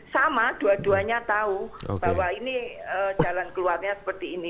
sama dua duanya tahu bahwa ini jalan keluarnya seperti ini